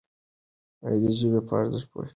د ژبې په اړه پوښتنې وکړئ.